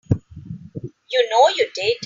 You know you did.